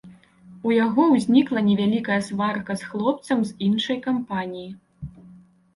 У яго ўзнікла невялікая сварка з хлопцам з іншай кампаніі.